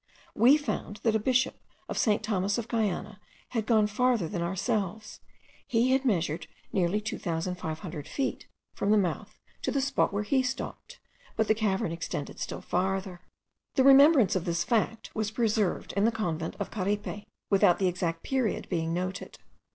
We found that a bishop of St. Thomas of Guiana had gone farther than ourselves. He had measured nearly 2500 feet from the mouth to the spot where he stopped, but the cavern extended still farther. The remembrance of this fact was preserved in the convent of Caripe, without the exact period being noted.